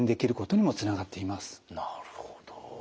なるほど。